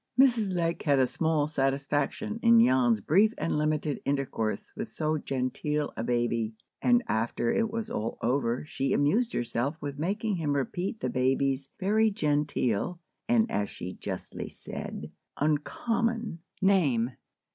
Mrs. Lake had a small satisfaction in Jan's brief and limited intercourse with so genteel a baby, and after it was all over she amused herself with making him repeat the baby's very genteel (and as she justly said "uncommon") name.